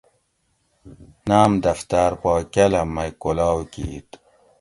ناۤم دفتاۤر پا کاۤلام مئی کلاؤ کیت